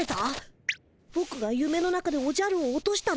ぼくがゆめの中でおじゃるを落としたの。